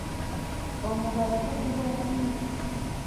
Omubala gukubwa ddi?